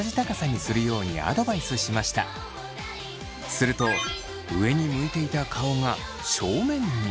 すると上に向いていた顔が正面に。